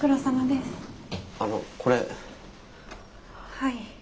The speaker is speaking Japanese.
はい。